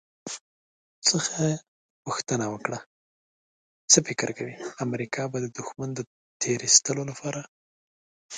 څخه پوښتنه وکړه «څه فکر کوئ، امریکا به د دښمن د تیرایستلو لپاره»